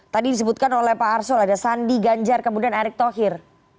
tadi disebutkan oleh pak arsul ada sandi ganjar kemudian erick thohir